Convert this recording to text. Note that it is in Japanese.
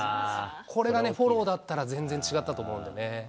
これがね、フォローだったら全然違ったと思うんでね。